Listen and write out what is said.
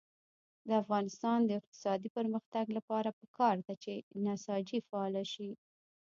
د افغانستان د اقتصادي پرمختګ لپاره پکار ده چې نساجي فعاله شي.